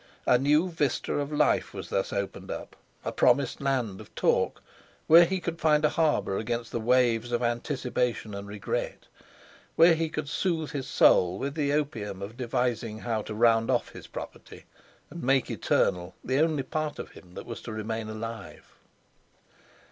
A new vista of life was thus opened up, a promised land of talk, where he could find a harbour against the waves of anticipation and regret; where he could soothe his soul with the opium of devising how to round off his property and make eternal the only part of him that was to remain alive.